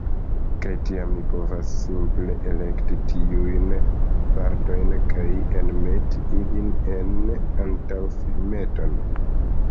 Kaj tiam, mi povas simple elekti tiujn partojn, kaj enmeti ilin en antaŭfilmeton.